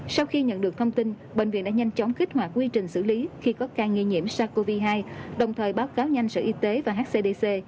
sau khi nhận được thông tin bệnh viện đã nhanh chóng kích hoạt quy trình xử lý khi có ca nghi nhiễm sars cov hai đồng thời báo cáo nhanh sở y tế và hcdc